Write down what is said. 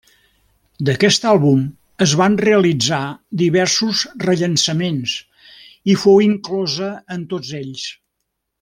D'aquest àlbum es van realitzar diversos rellançaments i fou inclosa en tots ells.